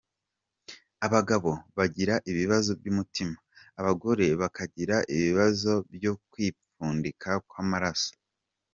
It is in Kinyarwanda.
Abagabo bagira ibibazo by’umutima, abagore bo bakagira ibibazo byo kwipfundika kw’amaraso.